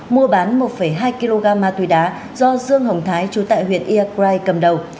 mua bán một hai kg ma túy đá do dương hồng thái chú tại huyện iagrai cầm đầu